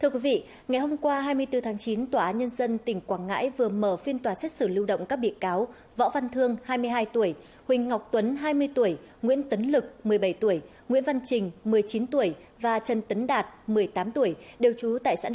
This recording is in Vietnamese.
các bạn hãy đăng kí cho kênh lalaschool để không bỏ lỡ những video hấp dẫn